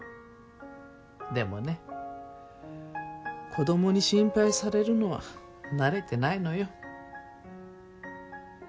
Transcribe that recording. でもね子供に心配されるのは慣れてないのよ。